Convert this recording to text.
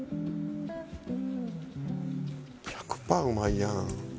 １００パーうまいやん。